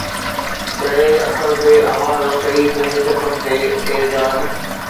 ڪھڙي اکر تي آواز اٿئي تنھنجي چپن تي اي جان؟